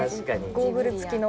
ゴーグル付きの。